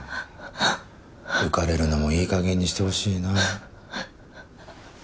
浮かれるのもいい加減にしてほしいな。